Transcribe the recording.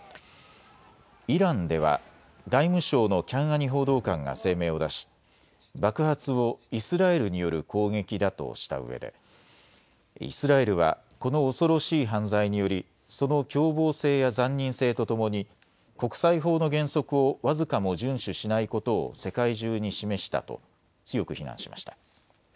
イランでは外務省のキャンアニ報道官が声明を出し爆発をイスラエルによる攻撃だとしたうえでイスラエルはこの恐ろしい犯罪により、その凶暴性や残忍性とともに国際法の原則を僅かも順守しないことを世界中に示したと強く非難しました。